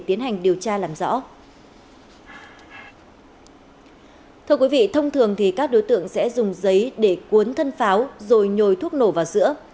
thưa quý vị thông thường thì các đối tượng sẽ dùng giấy để cuốn thân pháo rồi nhồi thuốc nổ vào giữa